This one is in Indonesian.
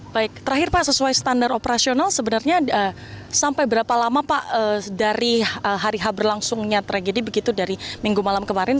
baik terakhir pak sesuai standar operasional sebenarnya sampai berapa lama pak dari hari berlangsungnya tragedi begitu dari minggu malam kemarin